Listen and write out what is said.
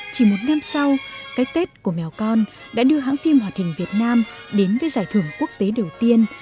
chỉ một năm sau cái tết của mèo con đã đưa hãng phim hoạt hình việt nam đến với giải thưởng quốc tế đầu tiên